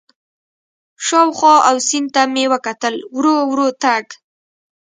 شاوخوا او سیند ته مې وکتل، ورو ورو تګ.